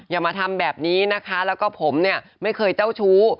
อย่ามาทำแบบนี้นะคะแล้วก็ผมเนี่ยไม่เคยเจ้าชู้